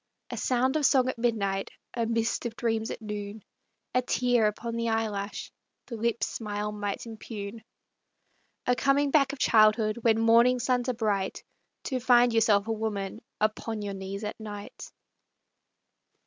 A sound of song at midnight, A mist of dreams at noon ; A tear upon the eyelash, The lips' smile might impugn. A coming back of childhood When morning suns are bright, To find yourself a woman Upon your knees at night.